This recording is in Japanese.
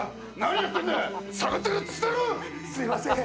すいません。